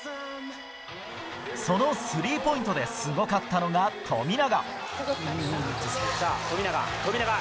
そのスリーポイントですごかったのが富永。